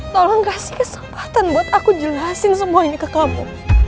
tolong kasih kesempatan buat aku jelasin semuanya ke kamu